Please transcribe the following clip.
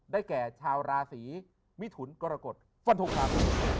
ได้แก่ชาวราศรีมิถุลกรกฎฝนทุกขาว